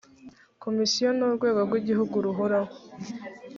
komisiyo ni urwego rw igihugu ruhoraho